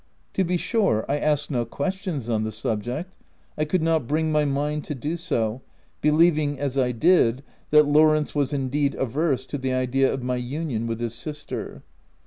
To be sure, I asked no ques tions on the subject : I could not bring my mind to do so, believing, as I did, that Lawrence was indeed averse to the idea of my union with his sister.